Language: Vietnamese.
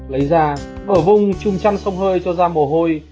lấy ra bở vung chung chăn sông hơi cho da mồ hôi